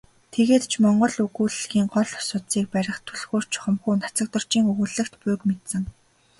Тэгээд ч монгол өгүүллэгийн гол судсыг барих түлхүүр чухамхүү Нацагдоржийн өгүүллэгт буйг мэдсэн.